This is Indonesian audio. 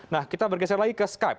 nah kita bergeser lagi ke skype